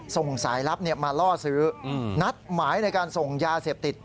ส่งสายลับมาล่อซื้อนัดหมายในการส่งยาเสพติด